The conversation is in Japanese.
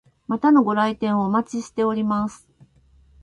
またのご来店をお待ちしております。